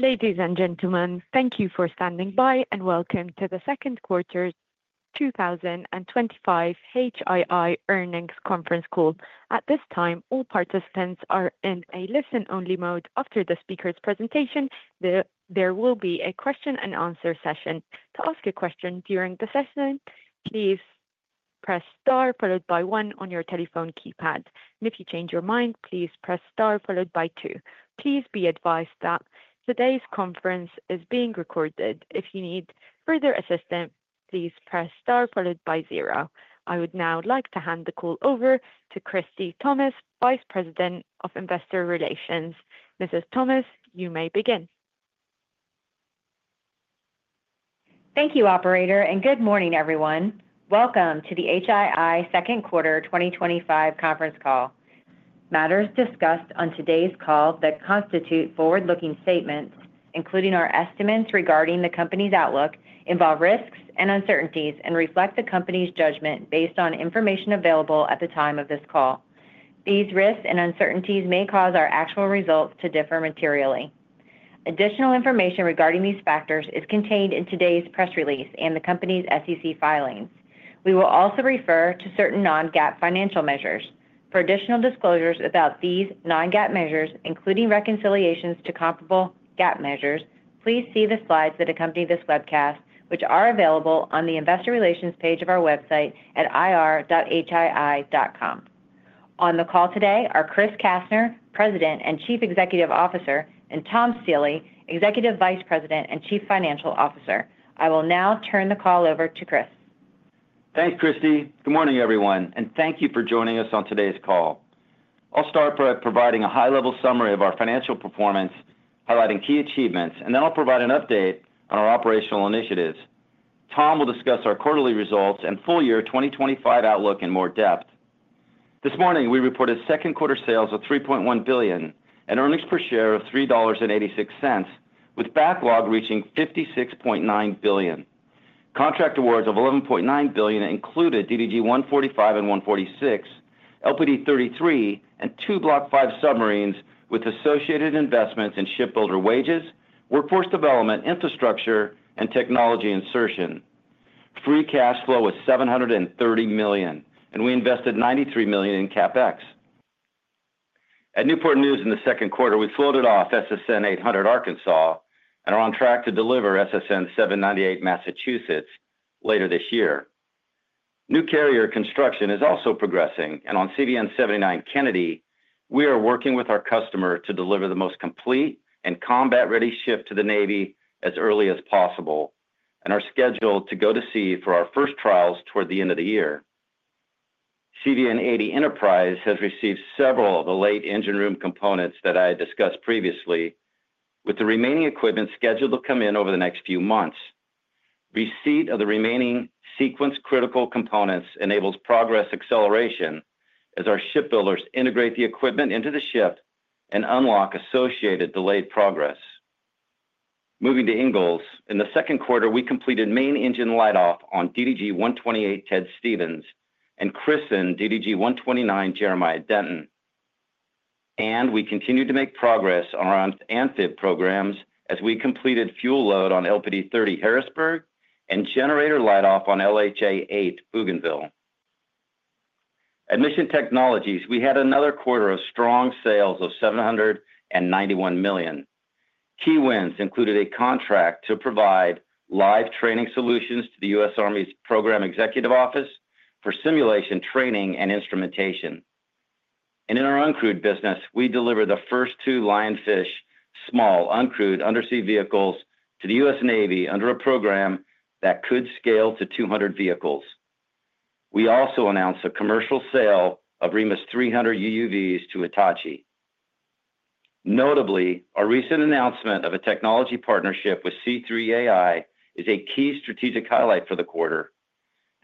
Ladies and gentlemen, thank you for standing by and welcome to the Second Quarter 2025 HII Earnings Conference Call. At this time, all participants are in a listen-only mode. After the speaker's presentation, there will be a question-and-answer session. To ask a question during the session, please press star followed by one on your telephone keypad, and if you change your mind, please press star followed by two. Please be advised that today's conference is being recorded. If you need further assistance, please press star followed by zero. I would now like to hand the call over to Christie Thomas, Vice President of Investor Relations. Mrs. Thomas, you may begin. Thank you, Operator, and good morning, everyone. Welcome to the HII Second Quarter 2025 Conference Call. Matters discussed on today's call that constitute forward-looking statements, including our estimates regarding the company's outlook, involve risks and uncertainties, and reflect the company's judgment based on information available at the time of this call. These risks and uncertainties may cause our actual results to differ materially. Additional information regarding these factors is contained in today's press release and the company's SEC filings. We will also refer to certain non-GAAP financial measures. For additional disclosures about these non-GAAP measures, including reconciliations to comparable GAAP measures, please see the slides that accompany this webcast, which are available on the investor relations page of our website at ir.hii.com. On the call today are Chris Kastner, President and Chief Executive Officer, and Tom Stiehle, Executive Vice President and Chief Financial Officer. I will now turn the call over to Chris. Thanks, Christie. Good morning, everyone, and thank you for joining us on today's call. I'll start by providing a high-level summary of our financial performance, highlighting key achievements, and then I'll provide an update on our operational initiatives. Tom will discuss our quarterly results and full year 2025 outlook in more depth. This morning, we reported second quarter sales of $3.1 billion and earnings per share of $3.86, with backlog reaching $56.9 billion. Contract awards of $11.9 billion included DDG 145 and 146, LPD 33, and two Block V submarines with associated investments in shipbuilder wages, workforce development, infrastructure, and technology insertion. Free cash flow was $730 million, and we invested $93 million in CapEx. At Newport News in the second quarter, we floated off SSN 800 Arkansas and are on track to deliver SSN 798 Massachusetts later this year. New carrier construction is also progressing, and on CVN 79 Kennedy, we are working with our customer to deliver the most complete and combat-ready ship to the Navy as early as possible and are scheduled to go to sea for our first trials toward the end of the year. CVN 80 Enterprise has received several of the late engine room components that I discussed previously, with the remaining equipment scheduled to come in over the next few months. Receipt of the remaining sequence-critical components enables progress acceleration as our shipbuilders integrate the equipment into the ship and unlock associated delayed progress. Moving to Ingalls, in the second quarter, we completed main engine light-off on DDG 128 Ted Stevens and christened DDG 129 Jeremiah Denton. We continued to make progress on our amphibious programs as we completed fuel load on LPD 30 Harrisburg and generator light-off on LHA 8 Bougainville. At Mission Technologies, we had another quarter of strong sales of $791 million. Key wins included a contract to provide live training solutions to the U.S. Army's Program Executive Office for Simulation, Training and Instrumentation. In our uncrewed business, we delivered the first two Lionfish small uncrewed undersea vehicles to the U.S. Navy under a program that could scale to 200 vehicles. We also announced a commercial sale of REMUS 300 UUVs to Hitachi. Notably, our recent announcement of a technology partnership with C3 AI is a key strategic highlight for the quarter.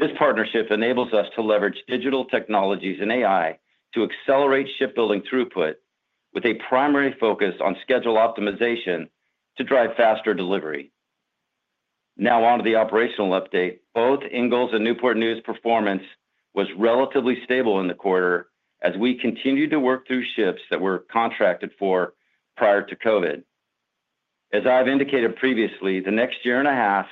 This partnership enables us to leverage digital technologies and AI to accelerate shipbuilding throughput, with a primary focus on schedule optimization to drive faster delivery. Now on to the operational update. Both Ingalls and Newport News' performance was relatively stable in the quarter as we continued to work through ships that were contracted for prior to COVID. As I've indicated previously, the next year and a half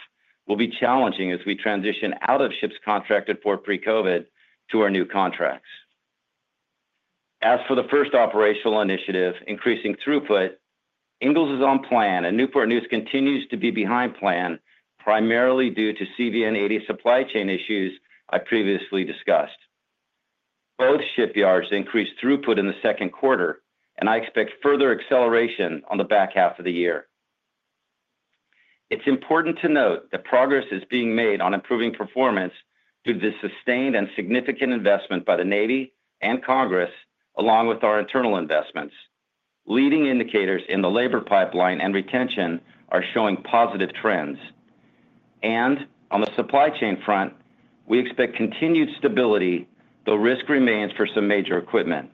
will be challenging as we transition out of ships contracted for pre-COVID to our new contracts. As for the first operational initiative, increasing throughput, Ingalls is on plan, and Newport News continues to be behind plan primarily due to CVN 80 supply chain issues I previously discussed. Both shipyards increased throughput in the second quarter, and I expect further acceleration on the back half of the year. It's important to note that progress is being made on improving performance through the sustained and significant investment by the Navy and Congress, along with our internal investments. Leading indicators in the labor pipeline and retention are showing positive trends. On the supply chain front, we expect continued stability, though risk remains for some major equipment.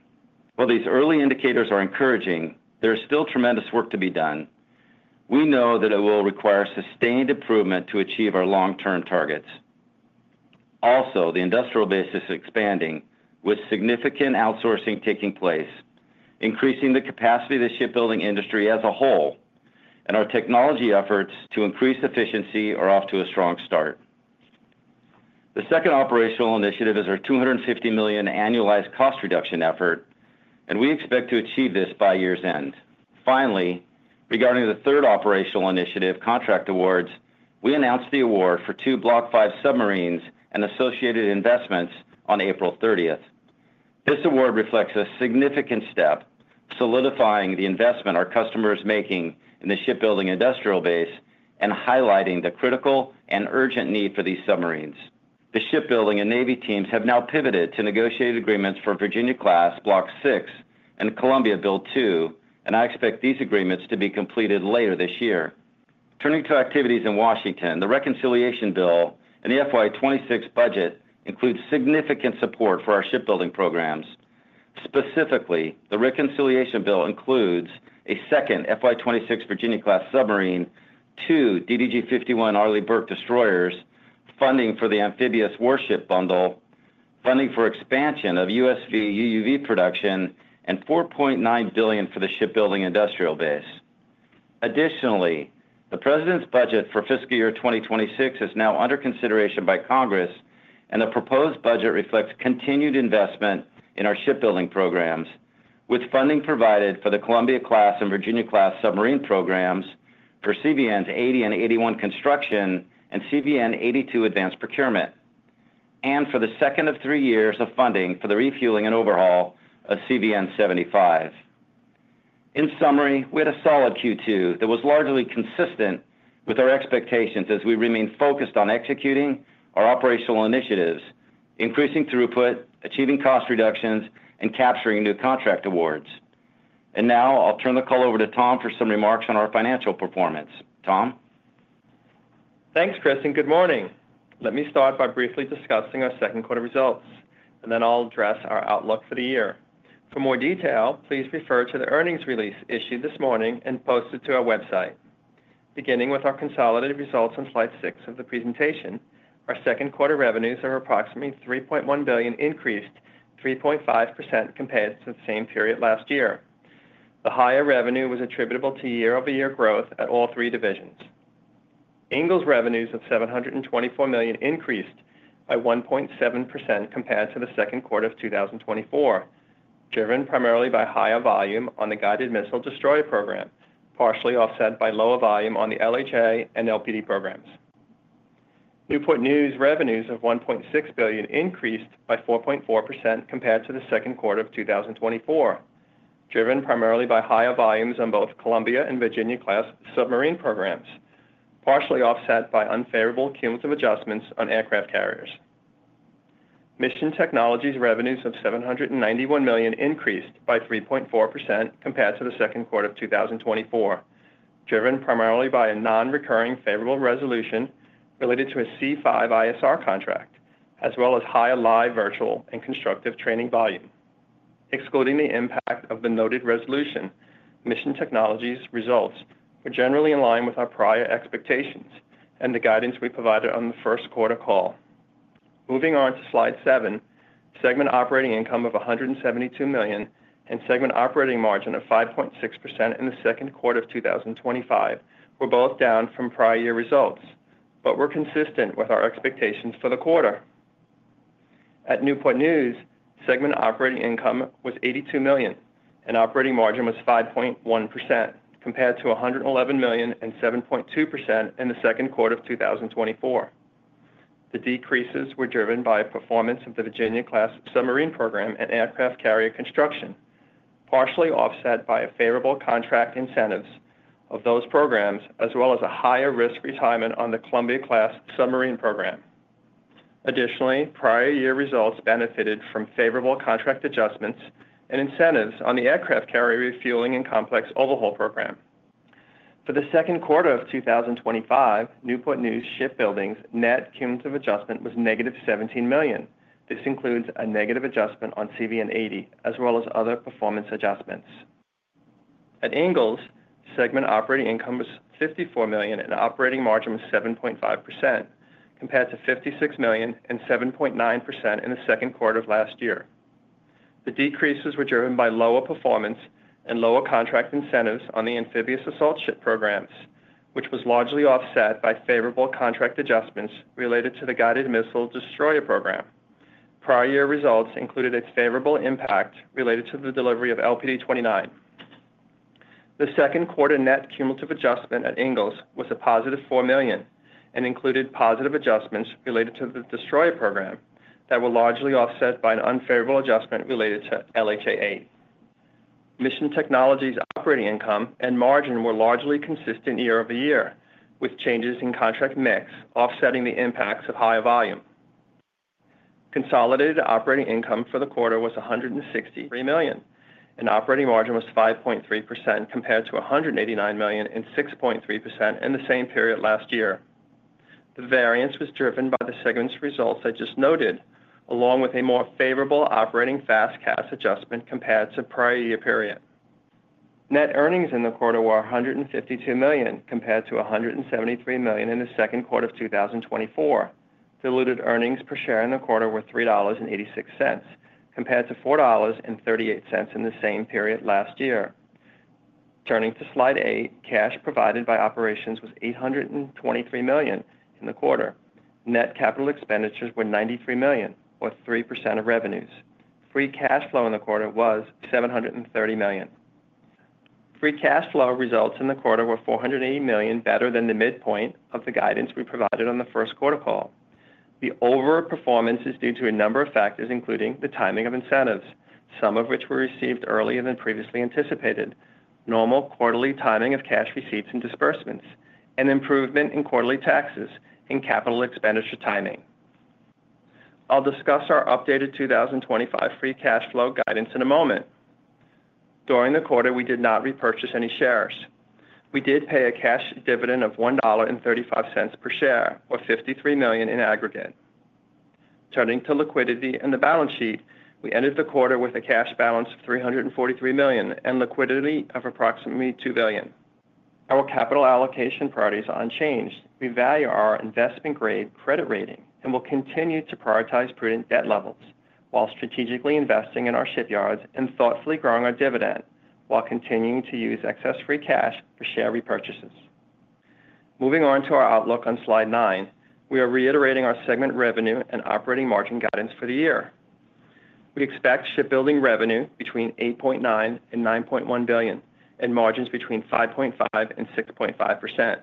While these early indicators are encouraging, there is still tremendous work to be done. We know that it will require sustained improvement to achieve our long-term targets. Also, the shipbuilding industrial base is expanding, with significant outsourcing taking place, increasing the capacity of the shipbuilding industry as a whole, and our technology efforts to increase efficiency are off to a strong start. The second operational initiative is our $250 million annualized cost reduction effort, and we expect to achieve this by year's end. Finally, regarding the third operational initiative, contract awards, we announced the award for two Block V submarines and associated investments on April 30th. This award reflects a significant step, solidifying the investment our customers are making in the shipbuilding industrial base and highlighting the critical and urgent need for these submarines. The shipbuilding and Navy teams have now pivoted to negotiate agreements for Virginia-class Block VI and Columbia Build II, and I expect these agreements to be completed later this year. Turning to activities in Washington, the reconciliation bill and the FY 2026 budget include significant support for our shipbuilding programs. Specifically, the reconciliation bill includes a second FY 2026 Virginia-class submarine, two DDG 51 Arleigh Burke destroyers, funding for the amphibious warship bundle, funding for expansion of USV and UUV production, and $4.9 billion for the shipbuilding industrial base. Additionally, the President's budget for fiscal year 2026 is now under consideration by Congress, and the proposed budget reflects continued investment in our shipbuilding programs, with funding provided for the Columbia-class and Virginia-class submarine programs, for CVN 80 and 81 construction, and CVN 82 advanced procurement. There is also funding for the second of three years of funding for the refueling and overhaul of CVN 75. In summary, we had a solid Q2 that was largely consistent with our expectations as we remained focused on executing our operational initiatives, increasing throughput, achieving cost reductions, and capturing new contract awards. I'll turn the call over to Tom for some remarks on our financial performance. Tom? Thanks, Chris, and good morning. Let me start by briefly discussing our second quarter results, and then I'll address our outlook for the year. For more detail, please refer to the earnings release issued this morning and posted to our website. Beginning with our consolidated results on slide six of the presentation, our second quarter revenues are approximately $3.1 billion, increased 3.5% compared to the same period last year. The higher revenue was attributable to year-over-year growth at all three divisions. Ingalls' revenues of $724 million increased by 1.7% compared to the second quarter of 2024, driven primarily by higher volume on the guided missile destroyer program, partially offset by lower volume on the LHA and LPD programs. Newport News' revenues of $1.6 billion increased by 4.4% compared to the second quarter of 2024, driven primarily by higher volumes on both Columbia and Virginia-class submarine programs, partially offset by unfavorable cumulative adjustments on aircraft carriers. Mission Technologies' revenues of $791 million increased by 3.4% compared to the second quarter of 2024, driven primarily by a non-recurring favorable resolution related to a C5ISR contract, as well as high live, virtual, and constructive training volume. Excluding the impact of the noted resolution, Mission Technologies' results were generally in line with our prior expectations and the guidance we provided on the first quarter call. Moving on to slide seven, segment operating income of $172 million and segment operating margin of 5.6% in the second quarter of 2025 were both down from prior year results, but were consistent with our expectations for the quarter. At Newport News, segment operating income was $82 million, and operating margin was 5.1% compared to $111 million and 7.2% in the second quarter of 2024. The decreases were driven by performance of the Virginia-class submarine program and aircraft carrier construction, partially offset by favorable contract incentives of those programs, as well as a higher risk retirement on the Columbia-class submarine program. Additionally, prior year results benefited from favorable contract adjustments and incentives on the Aircraft Carrier Refueling and Complex Overhaul program. For the second quarter of 2025, Newport News Shipbuilding's net cumulative adjustment was negative $17 million. This includes a negative adjustment on CVN 80, as well as other performance adjustments. At Ingalls, segment operating income was $54 million, and operating margin was 7.5% compared to $56 million and 7.9% in the second quarter of last year. The decreases were driven by lower performance and lower contract incentives on the amphibious assault ship programs, which was largely offset by favorable contract adjustments related to the guided missile destroyer program. Prior year results included a favorable impact related to the delivery of LPD 29. The second quarter net cumulative adjustment at Ingalls was a positive $4 million and included positive adjustments related to the destroyer program that were largely offset by an unfavorable adjustment related to LHA 8. Mission Technologies' operating income and margin were largely consistent year-over-year, with changes in contract mix offsetting the impacts of higher volume. Consolidated operating income for the quarter was $163 million, and operating margin was 5.3% compared to $189 million and 6.3% in the same period last year. The variance was driven by the segment's results I just noted, along with a more favorable operating FAS/CAS adjustment compared to prior year period. Net earnings in the quarter were $152 million compared to $173 million in the second quarter of 2024. Diluted earnings per share in the quarter were $3.86 compared to $4.38 in the same period last year. Turning to slide eight, cash provided by operations was $823 million in the quarter. Net capital expenditures were $93 million, or 3% of revenues. Free cash flow in the quarter was $730 million. Free cash flow results in the quarter were $480 million better than the midpoint of the guidance we provided on the first quarter call. The overall performance is due to a number of factors, including the timing of incentives, some of which were received earlier than previously anticipated, normal quarterly timing of cash receipts and disbursements, and improvement in quarterly taxes and capital expenditure timing. I'll discuss our updated 2025 free cash flow guidance in a moment. During the quarter, we did not repurchase any shares. We did pay a cash dividend of $1.35 per share, or $53 million in aggregate. Turning to liquidity and the balance sheet, we ended the quarter with a cash balance of $343 million and liquidity of approximately $2 billion. Our capital allocation priorities are unchanged. We value our investment-grade credit rating and will continue to prioritize prudent debt levels while strategically investing in our shipyards and thoughtfully growing our dividend while continuing to use excess free cash for share repurchases. Moving on to our outlook on slide nine, we are reiterating our segment revenue and operating margin guidance for the year. We expect shipbuilding revenue between $8.9 and $9.1 billion and margins between 5.5% and 6.5%.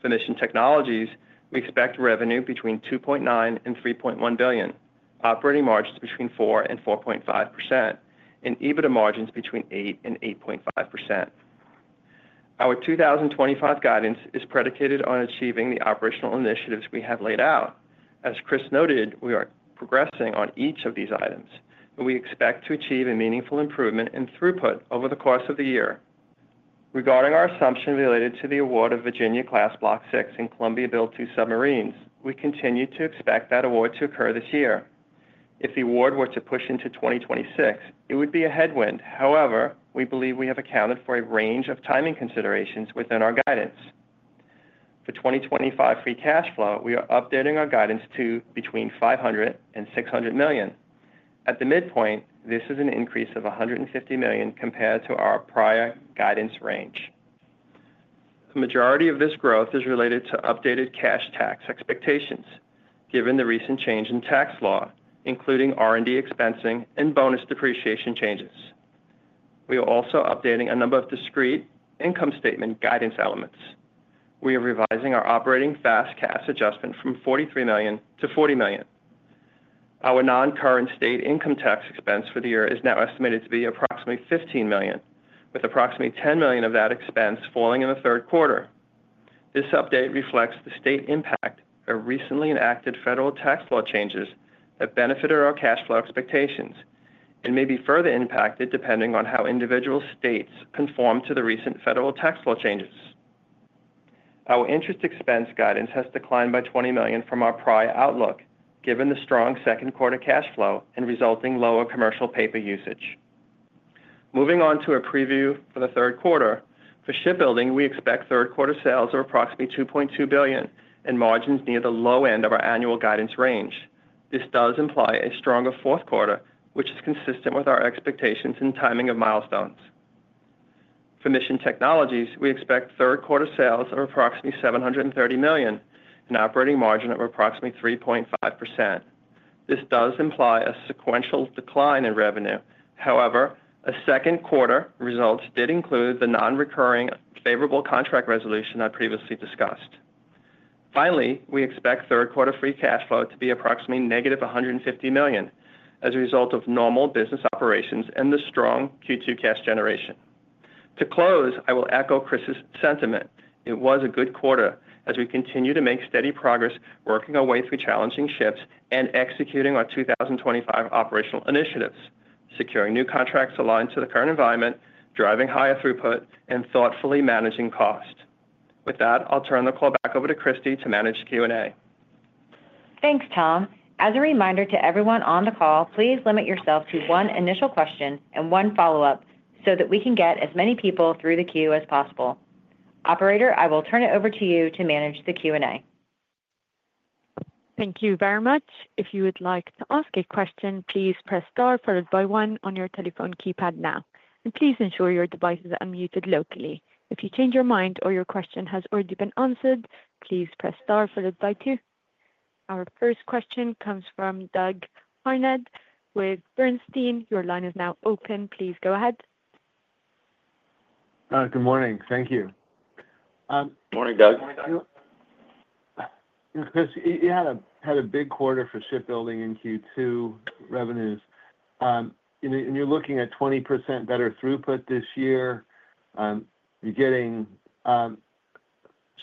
For Mission Technologies, we expect revenue between $2.9 and $3.1 billion, operating margins between 4% and 4.5%, and EBITDA margins between 8% and 8.5%. Our 2025 guidance is predicated on achieving the operational initiatives we have laid out. As Chris noted, we are progressing on each of these items, and we expect to achieve a meaningful improvement in throughput over the course of the year. Regarding our assumption related to the award of Virginia-class Block VI and Columbia Build II submarines, we continue to expect that award to occur this year. If the award were to push into 2026, it would be a headwind. However, we believe we have accounted for a range of timing considerations within our guidance. For 2025 free cash flow, we are updating our guidance to between $500 million and $600 million. At the midpoint, this is an increase of $150 million compared to our prior guidance range. The majority of this growth is related to updated cash tax expectations, given the recent change in tax law, including R&D expensing and bonus depreciation changes. We are also updating a number of discrete income statement guidance elements. We are revising our operating FAS/CAS adjustment from $43 million to $40 million. Our non-current state income tax expense for the year is now estimated to be approximately $15 million, with approximately $10 million of that expense falling in the third quarter. This update reflects the state impact of recently enacted federal tax law changes that benefited our cash flow expectations and may be further impacted depending on how individual states conform to the recent federal tax law changes. Our interest expense guidance has declined by $20 million from our prior outlook, given the strong second quarter cash flow and resulting lower commercial paper usage. Moving on to a preview for the third quarter, for shipbuilding, we expect third quarter sales of approximately $2.2 billion and margins near the low end of our annual guidance range. This does imply a stronger fourth quarter, which is consistent with our expectations and timing of milestones. For Mission Technologies, we expect third quarter sales of approximately $730 million and operating margin of approximately 3.5%. This does imply a sequential decline in revenue. However, a second quarter result did include the non-recurring favorable contract resolution I previously discussed. Finally, we expect third quarter free cash flow to be approximately negative $150 million as a result of normal business operations and the strong Q2 cash generation. To close, I will echo Chris's sentiment. It was a good quarter as we continue to make steady progress working our way through challenging shifts and executing our 2025 operational initiatives, securing new contracts aligned to the current environment, driving higher throughput, and thoughtfully managing cost. With that, I'll turn the call back over to Christie to manage Q&A. Thanks, Tom. As a reminder to everyone on the call, please limit yourself to one initial question and one follow-up so that we can get as many people through the queue as possible. Operator, I will turn it over to you to manage the Q&A. Thank you very much. If you would like to ask a question, please press star followed by one on your telephone keypad now. Please ensure your device is unmuted locally. If you change your mind or your question has already been answered, please press star followed by two. Our first question comes from Doug Harned with Bernstein. Your line is now open. Please go ahead. Good morning. Thank you. Good morning, Doug. Morning, Doug. Yeah, Chris, you had a big quarter for shipbuilding in Q2 revenues, and you're looking at 20% better throughput this year. You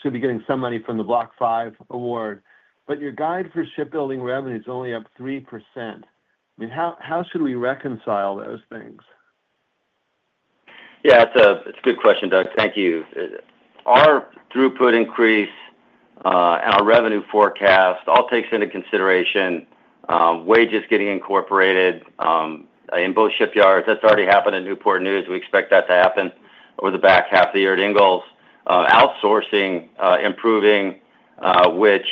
should be getting some money from the Block V award, but your guide for shipbuilding revenues is only up 3%. I mean, how should we reconcile those things? Yeah, it's a good question, Doug. Thank you. Our throughput increase and our revenue forecast all take into consideration wages getting incorporated in both shipyards. That's already happened at Newport News. We expect that to happen over the back half of the year at Ingalls. Outsourcing is improving, which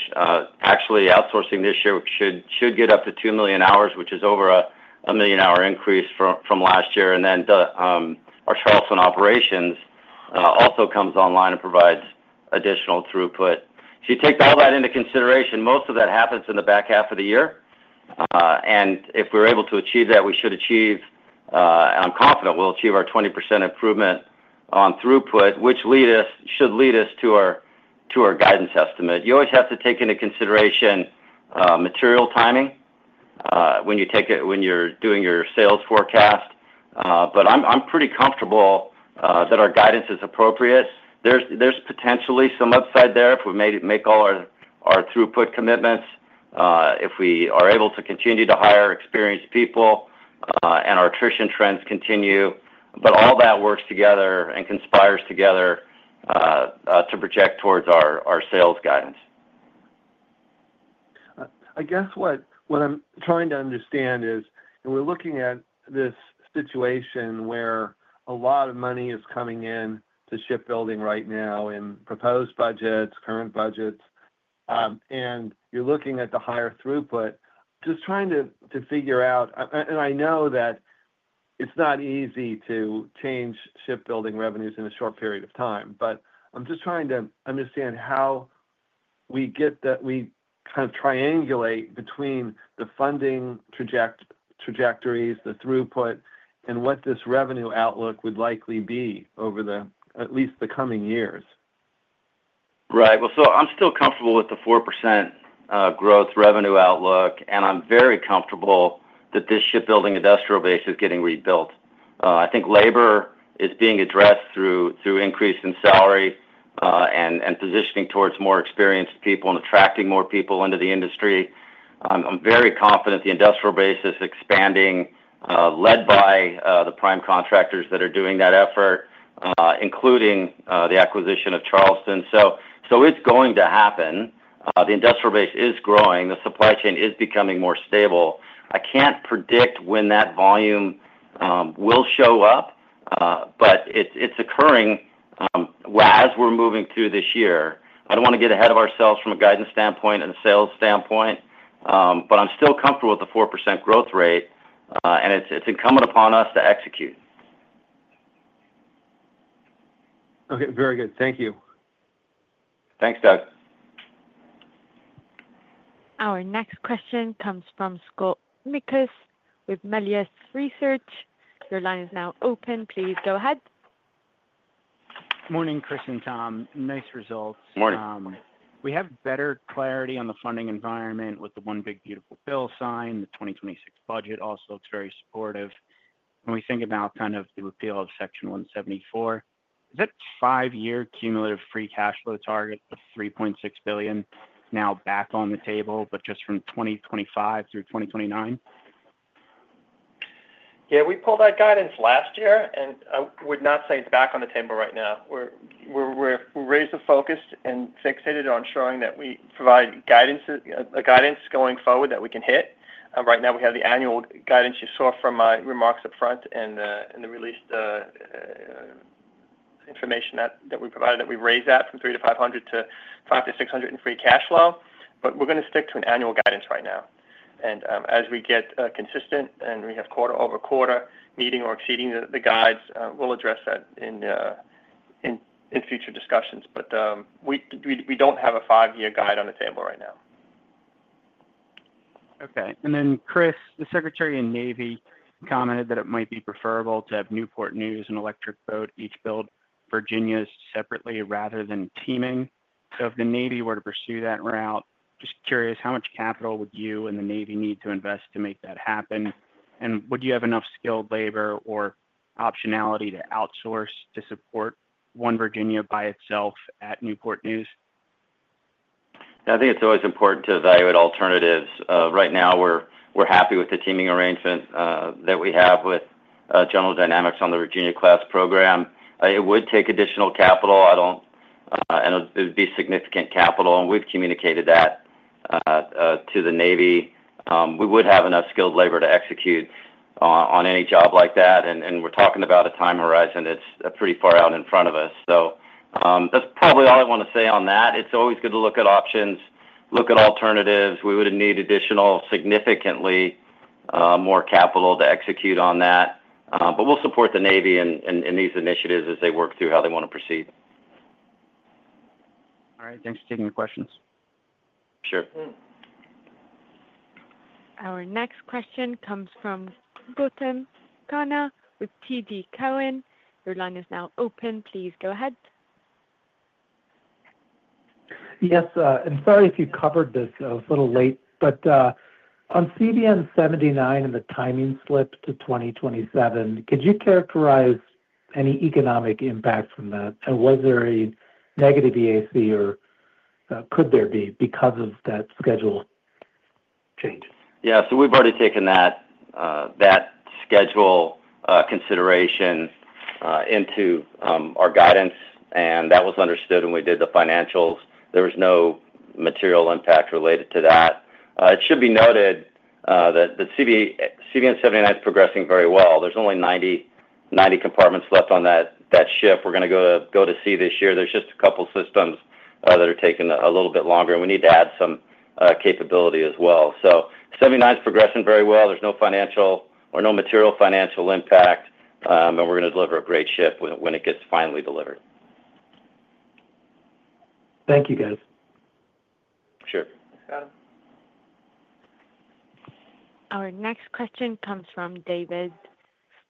actually, outsourcing this year should get up to 2 million hours, which is over a million-hour increase from last year. Our Charleston operations also come online and provide additional throughput. If you take all that into consideration, most of that happens in the back half of the year. If we're able to achieve that, we should achieve, I'm confident we'll achieve, our 20% improvement on throughput, which should lead us to our guidance estimate. You always have to take into consideration material timing when you're doing your sales forecast, but I'm pretty comfortable that our guidance is appropriate. There's potentially some upside there if we make all our throughput commitments, if we are able to continue to hire experienced people, and our attrition trends continue. All that works together and conspires together to project towards our sales guidance. I guess what I'm trying to understand is, we're looking at this situation where a lot of money is coming in to shipbuilding right now in proposed budgets, current budgets. You're looking at the higher throughput. I'm just trying to figure out, I know that it's not easy to change shipbuilding revenues in a short period of time, but I'm just trying to understand how we kind of triangulate between the funding trajectories, the throughput, and what this revenue outlook would likely be over at least the coming years. Right. I'm still comfortable with the 4% growth revenue outlook, and I'm very comfortable that this shipbuilding industrial base is getting rebuilt. I think labor is being addressed through increasing salary and positioning towards more experienced people and attracting more people into the industry. I'm very confident the industrial base is expanding, led by the prime contractors that are doing that effort, including the acquisition of Charleston. It's going to happen. The industrial base is growing. The supply chain is becoming more stable. I can't predict when that volume will show up, but it's occurring as we're moving through this year. I don't want to get ahead of ourselves from a guidance standpoint and a sales standpoint. I'm still comfortable with the 4% growth rate, and it's incumbent upon us to execute. Okay. Very good. Thank you. Thanks, Doug. Our next question comes from Scott Mikus with Melius Research. Your line is now open. Please go ahead. Morning, Chris and Tom. Nice results. Morning. We have better clarity on the funding environment with the One Big Beautiful Bill signed. The 2026 budget also looks very supportive. When we think about kind of the appeal of Section 174, is that five-year cumulative free cash flow target of $3.6 billion now back on the table, but just from 2025 through 2029? Yeah, we pulled that guidance last year, and I would not say it's back on the table right now. We raised the focus and fixated on showing that we provide a guidance going forward that we can hit. Right now, we have the annual guidance you saw from my remarks up front and the released information that we provided that we raised that from $300 million to $500 million to $500 million to $600 million in free cash flow. We're going to stick to an annual guidance right now. As we get consistent and we have quarter-over-quarter meeting or exceeding the guides, we'll address that in future discussions. We don't have a five-year guide on the table right now. Okay. Chris, the Secretary of the Navy commented that it might be preferable to have Newport News and Electric Boat each build Virginia separately rather than teaming. If the Navy were to pursue that route, just curious, how much capital would you and the Navy need to invest to make that happen? Would you have enough skilled labor or optionality to outsource to support one Virginia by itself at Newport News? Yeah, I think it's always important to evaluate alternatives. Right now, we're happy with the teaming arrangement that we have with General Dynamics on the Virginia-class program. It would take additional capital. I don't know, it would be significant capital, and we've communicated that to the Navy. We would have enough skilled labor to execute on any job like that, and we're talking about a time horizon that's pretty far out in front of us. That's probably all I want to say on that. It's always good to look at options, look at alternatives. We would need additional, significantly more capital to execute on that. We'll support the Navy in these initiatives as they work through how they want to proceed. All right. Thanks for taking the questions. Sure. Our next question comes from Gautam Khanna with TD Cowen. Your line is now open. Please go ahead. Yes. I'm sorry if you covered this a little late, but on CVN 79 and the timing slip to 2027, could you characterize any economic impact from that? Was there a negative EAC, or could there be because of that schedule change? Yeah. We've already taken that schedule consideration into our guidance, and that was understood when we did the financials. There was no material impact related to that. It should be noted that the CVN 79 is progressing very well. There's only 90 compartments left on that ship, we're going to go to sea this year. There's just a couple of systems that are taking a little bit longer, and we need to add some capability as well. 79 is progressing very well. There's no financial or no material financial impact, and we're going to deliver a great ship when it gets finally delivered. Thank you, guys. Sure. Got it. Our next question comes from David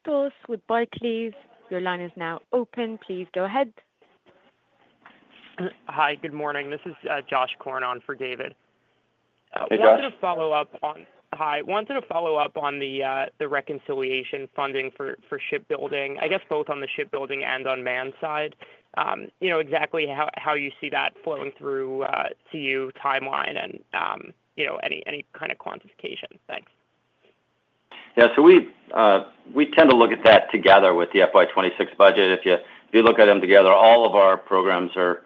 Strauss with Barclays. Your line is now open. Please go ahead. Hi, good morning. This is Josh Korn on for David. Hey, Josh. Hi. Wanted to follow up-on the reconciliation funding for shipbuilding, I guess both on the shipbuilding and on man side. Exactly how you see that flowing through CU timeline and any kind of quantification. Thanks. Yeah. We tend to look at that together with the FY 2026 budget. If you look at them together, all of our programs are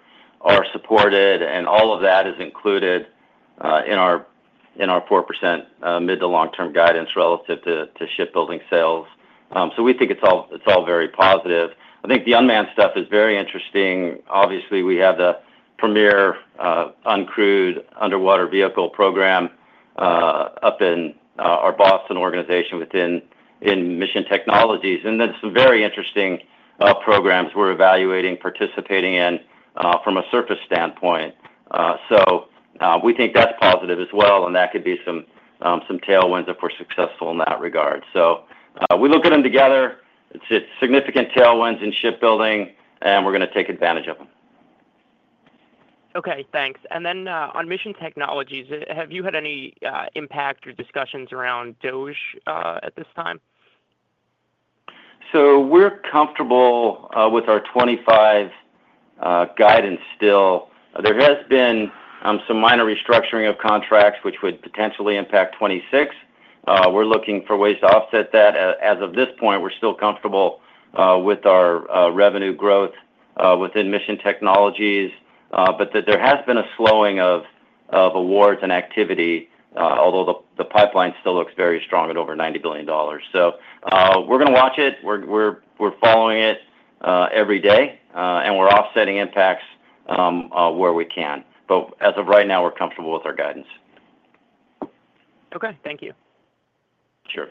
supported, and all of that is included in our 4% mid to long-term guidance relative to shipbuilding sales. We think it's all very positive. I think the unmanned stuff is very interesting. Obviously, we have the premier uncrewed undersea vehicle program up in our Boston organization within Mission Technologies, and that's some very interesting programs we're evaluating, participating in from a surface standpoint. We think that's positive as well, and that could be some tailwinds if we're successful in that regard. We look at them together. It's significant tailwinds in shipbuilding, and we're going to take advantage of them. Okay. Thanks. On Mission Technologies, have you had any impact or discussions around DOGE at this time? We're comfortable with our 2025 guidance still. There has been some minor restructuring of contracts which would potentially impact 2026. We're looking for ways to offset that. At this point, we're still comfortable with our revenue growth within Mission Technologies, but there has been a slowing of awards and activity, although the pipeline still looks very strong at over $90 billion. We're going to watch it. We're following it every day, and we're offsetting impacts where we can. As of right now, we're comfortable with our guidance. Okay, thank you. Sure.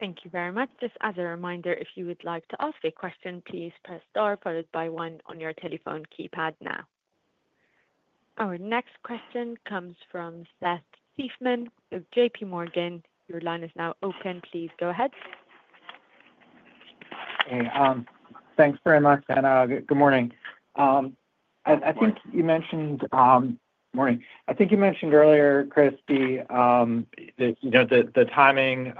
Thank you very much. Just as a reminder, if you would like to ask a question, please press star followed by one on your telephone keypad now. Our next question comes from Seth Seifman with JPMorgan. Your line is now open. Please go ahead. Hey. Thanks very much. Good morning. I think you mentioned earlier, Chris, the timing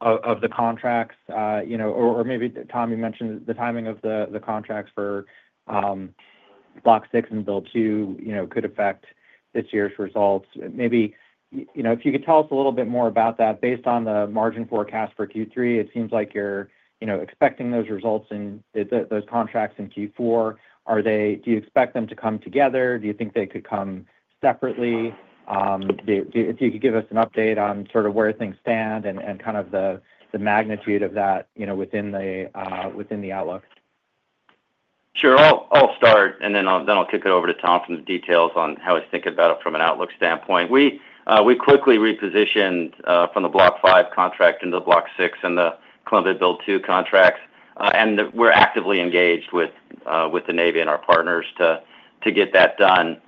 of the contracts, or maybe Tom, you mentioned the timing of the contracts for Block VI and Build II could affect this year's results. Maybe if you could tell us a little bit more about that. Based on the margin forecast for Q3, it seems like you're expecting those results in those contracts in Q4. Do you expect them to come together? Do you think they could come separately? If you could give us an update on sort of where things stand and kind of the magnitude of that within the outlook. Sure. I'll start, and then I'll kick it over to Tom for the details on how he's thinking about it from an outlook standpoint. We quickly repositioned from the Block 5 contract into the Block VI and the Columbia Build II contracts. We're actively engaged with the Navy and our partners to get that done.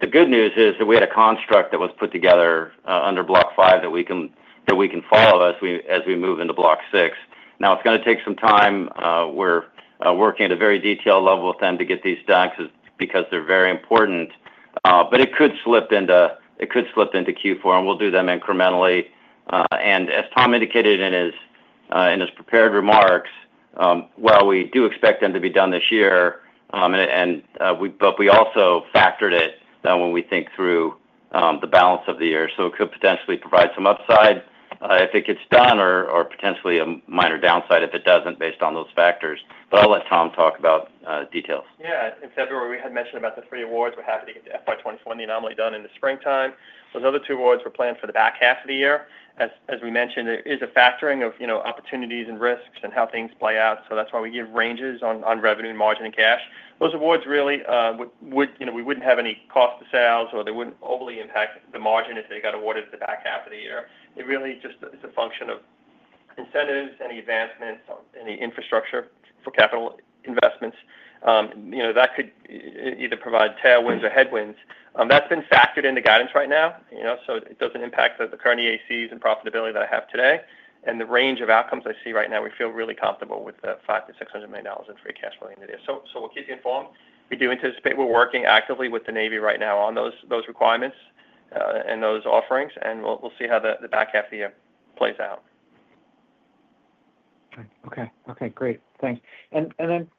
The good news is that we had a construct that was put together under Block V that we can follow as we move into Block VI. Now, it's going to take some time. We're working at a very detailed level with them to get these done because they're very important. It could slip into Q4, and we'll do them incrementally. As Tom indicated in his prepared remarks, while we do expect them to be done this year, we also factored it when we think through the balance of the year. It could potentially provide some upside if it gets done or potentially a minor downside if it doesn't based on those factors. I'll let Tom talk about details. Yeah. In February, we had mentioned about the three awards. We're happy to get the FY 2024 and the anomaly done in the springtime. Those other two awards were planned for the back half of the year. As we mentioned, there is a factoring of opportunities and risks and how things play out. That's why we give ranges on revenue and margin and cash. Those awards really wouldn't have any cost to sales, or they wouldn't overly impact the margin if they got awarded at the back half of the year. It really just is a function of incentives and advancements, any infrastructure for capital investments. That could either provide tailwinds or headwinds. That's been factored into guidance right now. It doesn't impact the current EACs and profitability that I have today. In the range of outcomes I see right now, we feel really comfortable with the $500 million-$600 million in free cash flowing into there. We'll keep you informed. We do anticipate we're working actively with the Navy right now on those requirements and those offerings, and we'll see how the back half of the year plays out. Okay. Great. Thanks.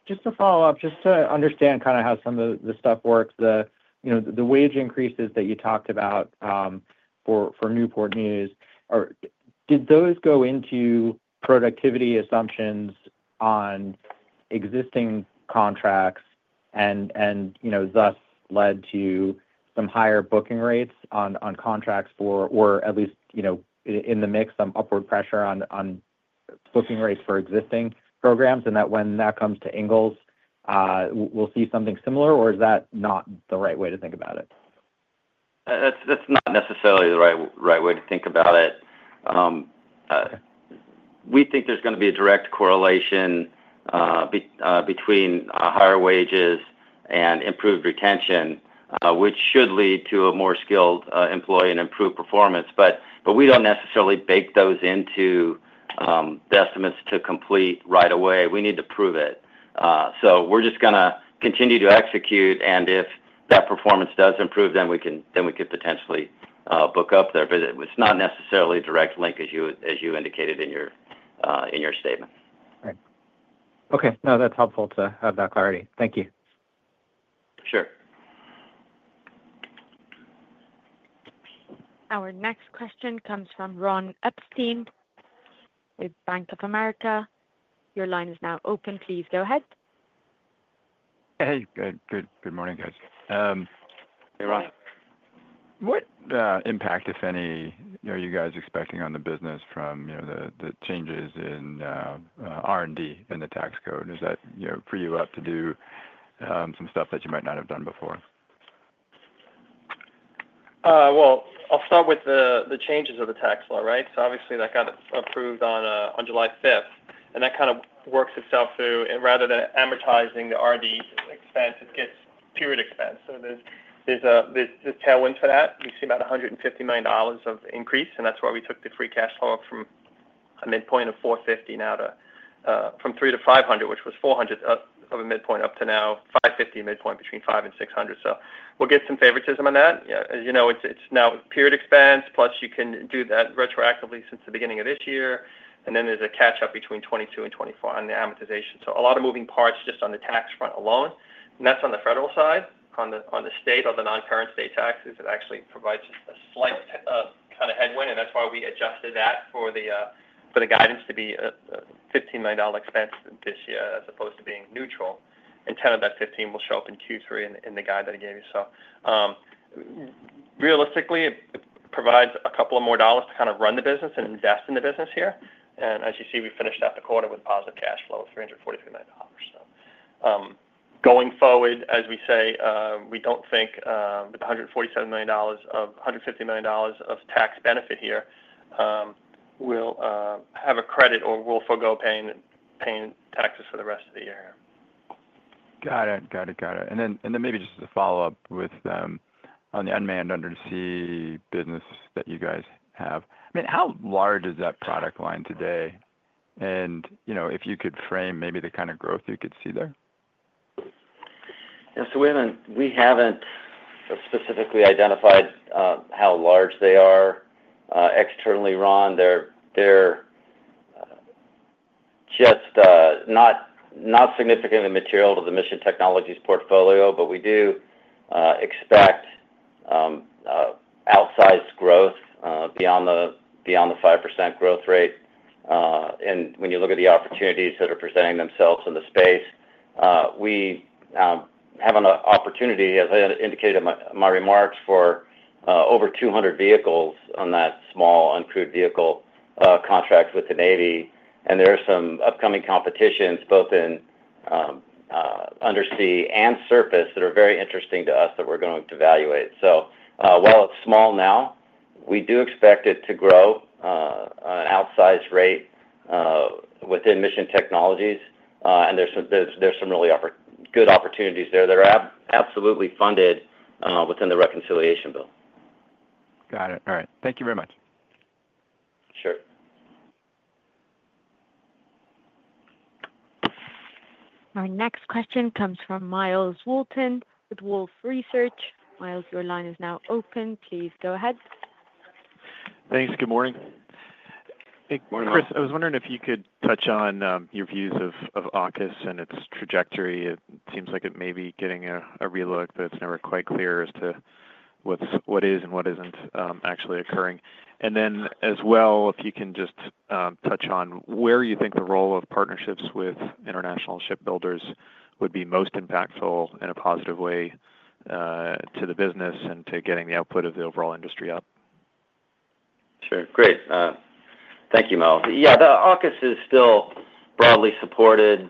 Just to follow-up, just to understand kind of how some of the stuff works, the wage increases that you talked about for Newport News, did those go into productivity assumptions on existing contracts and thus led to some higher booking rates on contracts for, or at least in the mix, some upward pressure on booking rates for existing programs? When that comes to Ingalls, we'll see something similar, or is that not the right way to think about it? That's not necessarily the right way to think about it. We think there's going to be a direct correlation between higher wages and improved retention, which should lead to a more skilled employee and improved performance. We don't necessarily bake those into the estimates to complete right away. We need to prove it. We're just going to continue to execute, and if that performance does improve, then we could potentially book up there. It's not necessarily a direct link, as you indicated in your statement. Right. Okay. No, that's helpful to have that clarity. Thank you. Sure. Our next question comes from Ron Epstein with Bank of America. Your line is now open. Please go ahead. Hey, good morning, guys. Hey, Ron. What impact, if any, are you guys expecting on the business from the changes in R&D and the tax code? Does that free you up to do some stuff that you might not have done before? I'll start with the changes of the tax law, right? Obviously, that got approved on July 5th. That kind of works itself through, and rather than amortizing the R&D expense, it gets period expense. There's tailwinds for that. We see about $150 million of increase, and that's why we took the free cash flow up from a midpoint of $450 million. From $300 million to $500 million, which was $400 million of a midpoint, up to now $550 million midpoint between $500 million and $600 million. We'll get some favoritism on that. As you know, it's now period expense, plus you can do that retroactively since the beginning of this year. There's a catch-up between 2022 and 2024 on the amortization. A lot of moving parts just on the tax front alone. That's on the federal side. On the state, on the non-current state taxes, it actually provides a slight kind of headwind. That's why we adjusted that for the guidance to be a $15 million expense this year as opposed to being neutral. $10 million of that $15 million will show up in Q3 in the guide that I gave you. Realistically, it provides a couple of more dollars to kind of run the business and invest in the business here. As you see, we finished out the quarter with positive cash flow of $343 million. Going forward, as we say, we don't think the $147 million of $150 million of tax benefit here will have a credit or will forego paying taxes for the rest of the year. Got it. On the uncrewed undersea business that you guys have, how large is that product line today? If you could frame maybe the kind of growth you could see there? Yeah. We haven't specifically identified how large they are externally, Ron. They're just not significantly material to the Mission Technologies portfolio, but we do expect outsized growth beyond the 5% growth rate. When you look at the opportunities that are presenting themselves in the space, we have an opportunity, as I indicated in my remarks, for over 200 vehicles on that small uncrewed vehicle contract with the Navy. There are some upcoming competitions both in undersea and surface that are very interesting to us that we're going to evaluate. While it's small now, we do expect it to grow at an outsized rate within Mission Technologies. There's some really good opportunities there. They're absolutely funded within the reconciliation bill. Got it. All right. Thank you very much. Sure. Our next question comes from Myles Walton with Wolfe Research. Myles, your line is now open. Please go ahead. Thanks. Good morning. Hey, good morning, Myles. Chris, I was wondering if you could touch on your views of AUKUS and its trajectory. It seems like it may be getting a re-look, but it's never quite clear as to what is and what isn't actually occurring. If you can just touch on where you think the role of partnerships with international shipbuilders would be most impactful in a positive way to the business and to getting the output of the overall industry up. Sure. Great. Thank you, Myles. Yeah. AUKUS is still broadly supported,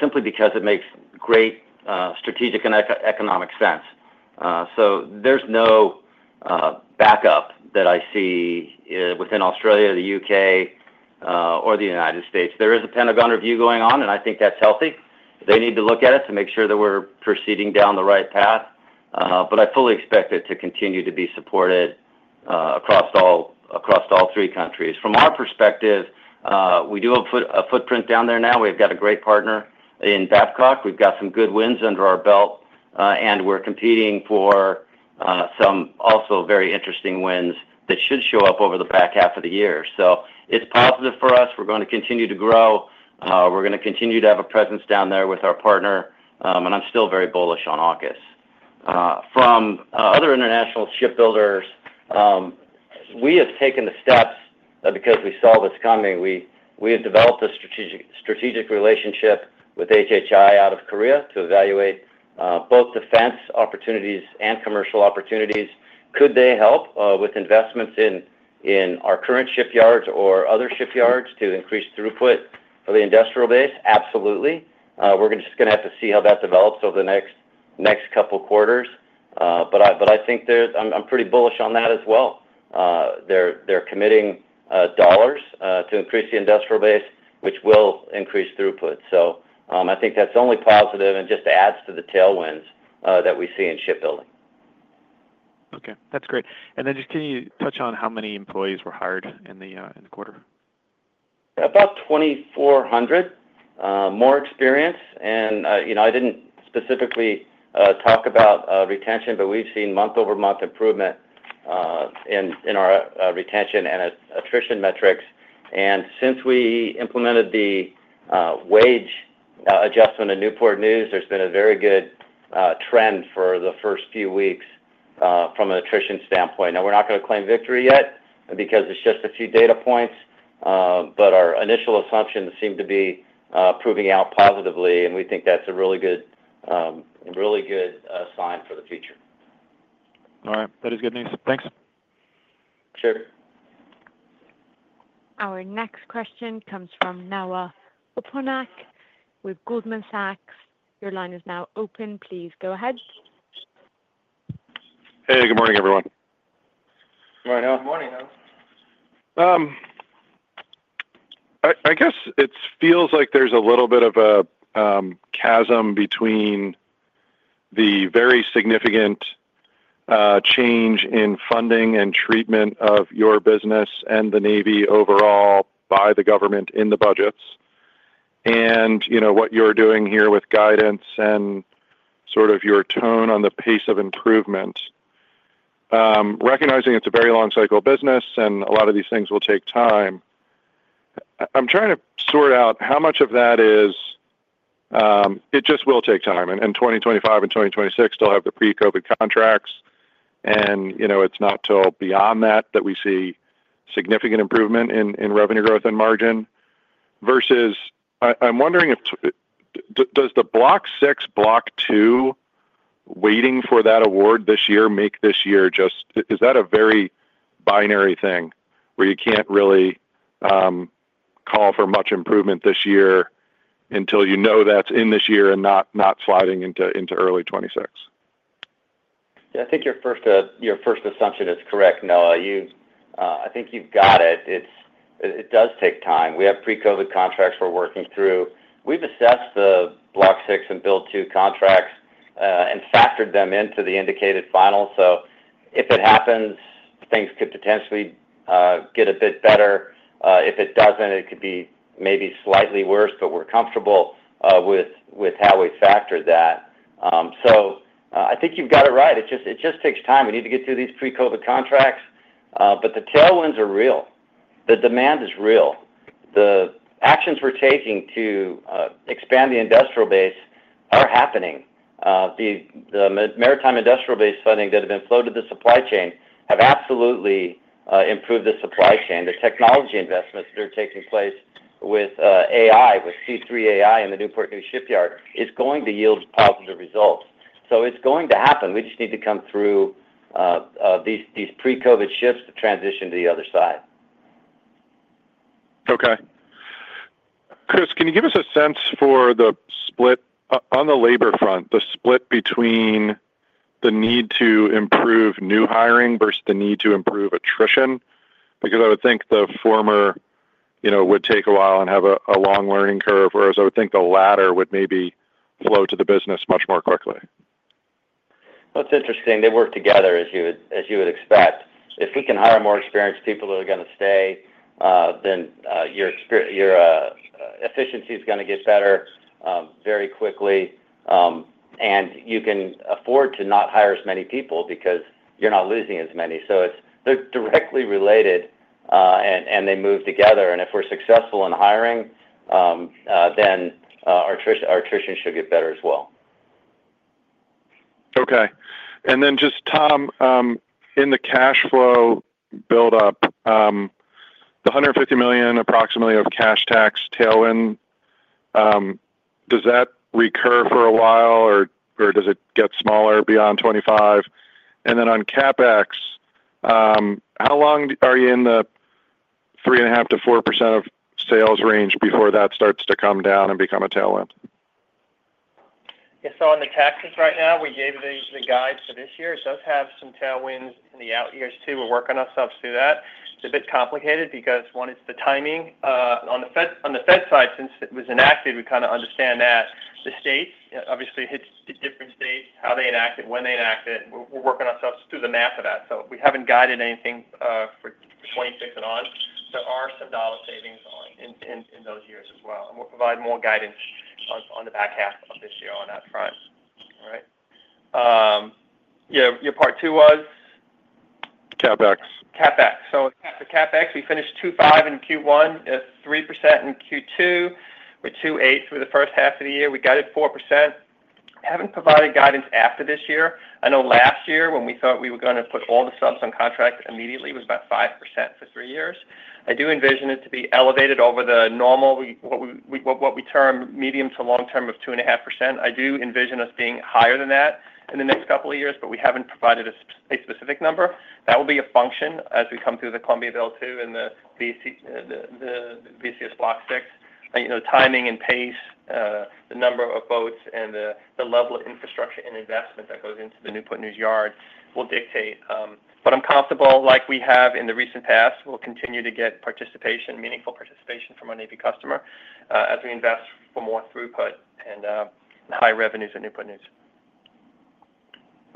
simply because it makes great strategic and economic sense. There's no backup that I see within Australia, the U.K., or the United States. There is a Pentagon review going on, and I think that's healthy. They need to look at it to make sure that we're proceeding down the right path. I fully expect it to continue to be supported across all three countries. From our perspective, we do have a footprint down there now. We've got a great partner in Babcock. We've got some good wins under our belt, and we're competing for some also very interesting wins that should show up over the back half of the year. It's positive for us. We're going to continue to grow. We're going to continue to have a presence down there with our partner. I'm still very bullish on AUKUS. From other international shipbuilders, we have taken the steps because we saw what's coming. We have developed a strategic relationship with HII out of Korea to evaluate both defense opportunities and commercial opportunities. Could they help with investments in our current shipyards or other shipyards to increase throughput for the industrial base? Absolutely. We're just going to have to see how that develops over the next couple of quarters. I think I'm pretty bullish on that as well. They're committing dollars to increase the industrial base, which will increase throughput. I think that's only positive and just adds to the tailwinds that we see in shipbuilding. Okay. That's great. Can you touch on how many employees were hired in the quarter? About 2,400. More experience. I didn't specifically talk about retention, but we've seen month-over-month improvement in our retention and attrition metrics. Since we implemented the wage adjustment in Newport News, there's been a very good trend for the first few weeks from an attrition standpoint. We're not going to claim victory yet because it's just a few data points, but our initial assumptions seem to be proving out positively. We think that's a really good sign for the future. All right, that is good news. Thanks. Sure. Our next question comes from Noah Poponak with Goldman Sachs. Your line is now open. Please go ahead. Hey, good morning, everyone. Morning, Noah. Good morning, Noah. I guess it feels like there's a little bit of a chasm between the very significant change in funding and treatment of your business and the Navy overall by the government in the budgets, and what you're doing here with guidance and sort of your tone on the pace of improvement. Recognizing it's a very long-cycle business and a lot of these things will take time, I'm trying to sort out how much of that is it just will take time. 2025 and 2026 still have the pre-COVID contracts, and it's not till beyond that that we see significant improvement in revenue growth and margin versus I'm wondering, does the Block VI, Block II, waiting for that award this year, make this year just, is that a very binary thing where you can't really call for much improvement this year until you know that's in this year and not sliding into early 2026? Yeah. I think your first assumption is correct, Noah. I think you've got it. It does take time. We have pre-COVID contracts we're working through. We've assessed the Block VI and Build II contracts and factored them into the indicated final. If it happens, things could potentially get a bit better. If it doesn't, it could be maybe slightly worse, but we're comfortable with how we factored that. I think you've got it right. It just takes time. We need to get through these pre-COVID contracts. The tailwinds are real. The demand is real. The actions we're taking to expand the industrial base are happening. The maritime industrial base funding that had been floated to the supply chain have absolutely improved the supply chain. The technology investments that are taking place with AI, with C3 AI in the Newport News shipyard, are going to yield positive results. It's going to happen. We just need to come through these pre-COVID shifts to transition to the other side. Okay. Chris, can you give us a sense for the split on the labor front, the split between the need to improve new hiring versus the need to improve attrition? Because I would think the former would take a while and have a long learning curve, whereas I would think the latter would maybe flow to the business much more quickly. It's interesting. They work together, as you would expect. If we can hire more experienced people that are going to stay, your efficiency is going to get better very quickly, and you can afford to not hire as many people because you're not losing as many. They're directly related, and they move together. If we're successful in hiring, then our attrition should get better as well. Okay. Tom, in the cash flow buildup, the $150 million approximately of cash tax tailwind, does that recur for a while, or does it get smaller beyond 2025? On CapEx, how long are you in the 3.5%-4% of sales range before that starts to come down and become a tailwind? Yeah. On the taxes right now, we gave the guide for this year. It does have some tailwinds in the out years too. We're working ourselves through that. It's a bit complicated because, one, it's the timing. On the Fed side, since it was enacted, we kind of understand that. The states, obviously, it hits different states, how they enact it, when they enact it. We're working ourselves through the math of that. We haven't guided anything for 2026 and on. There are some dollar savings in those years as well. We'll provide more guidance on the back half of this year on that front. All right? Your part two was? CapEx. CapEx. The CapEx, we finished 2.5% in Q1, 3% in Q2. We're 2.8% through the first half of the year. We guided 4%. Haven't provided guidance after this year. I know last year when we thought we were going to put all the subs on contract immediately, it was about 5% for three years. I do envision it to be elevated over the normal, what we term medium to long term of 2.5%. I do envision us being higher than that in the next couple of years, but we haven't provided a specific number. That will be a function as we come through the Columbia Build II in the VCS Block VI. The timing and pace, the number of boats, and the level of infrastructure and investment that goes into the Newport News yard will dictate. I'm comfortable, like we have in the recent past, we'll continue to get meaningful participation from our Navy customer as we invest for more throughput and high revenues in Newport News.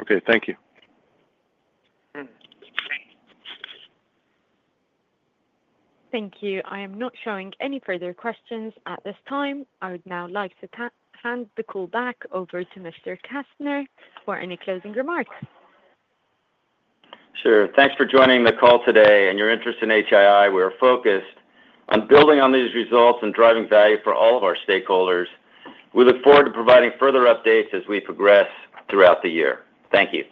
Okay, thank you. Thank you. I am not showing any further questions at this time. I would now like to hand the call back over to Mr. Kastner for any closing remarks. Sure. Thanks for joining the call today. In your interest in HuntingtonHII, we are focused on building on these results and driving value for all of our stakeholders. We look forward to providing further updates as we progress throughout the year. Thank you.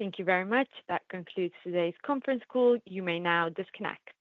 Thank you very much. That concludes today's conference call. You may now disconnect.